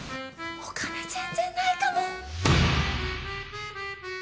お金全然ないかも。